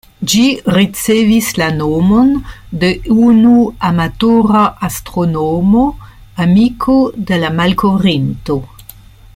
Ĝi ricevis la nomon de unu amatora astronomo, amiko de la malkovrinto.